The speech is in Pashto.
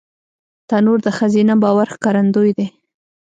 تنور د ښځینه باور ښکارندوی دی